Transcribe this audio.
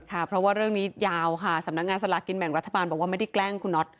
ค่ะเพราะว่าเรื่องนี้ยาวค่ะสำนักงานสลากินแบ่งรัฐบาลบอกว่าไม่ได้แกล้งคุณน็อต